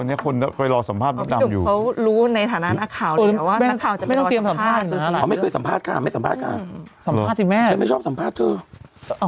ไม่ได้สัมภาษณ์อยู่แล้ว